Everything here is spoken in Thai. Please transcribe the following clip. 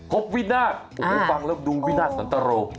บวินาศโอ้โหฟังแล้วดูวินาศสันตรโร